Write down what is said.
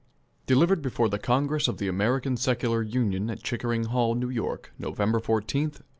* Delivered before the Congress of the American Secular Union, at Chickering Hall, New York, Nov. 14, 1885.